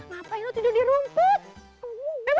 ngapain lo tidur di rumput